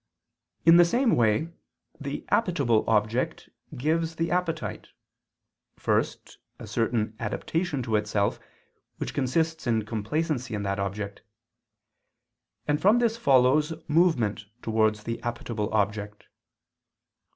In the same way the appetible object gives the appetite, first, a certain adaptation to itself, which consists in complacency in that object; and from this follows movement towards the appetible object.